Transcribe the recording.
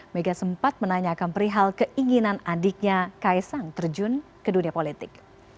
mega sempat menanyakan perihal keinginan adiknya kaisang terjun ke dunia politik